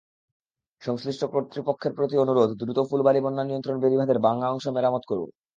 সংশ্লিষ্ট কর্তৃপক্ষের প্রতি অনুরোধ, দ্রুত ফুলবাড়ী বন্যানিয়ন্ত্রণ বেড়িবাঁধের ভাঙা অংশ মেরামত করুন।